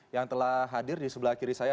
yang telah hadir di sebelah kiri saya